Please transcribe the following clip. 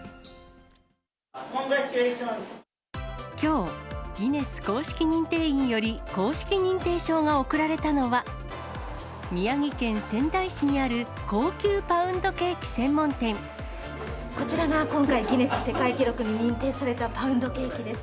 きょう、ギネス公式認定員より公式認定証が贈られたのは、宮城県仙台市にこちらが今回、ギネス世界記録に認定されたパウンドケーキです。